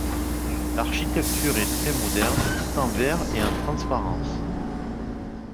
L'architecture est très moderne, tout en verre et en transparence.